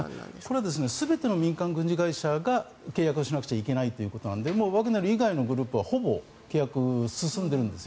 これは全ての民間軍事会社が契約をしなくちゃいけないということなのでワグネル以外のグループはほぼ契約が進んでいるんです。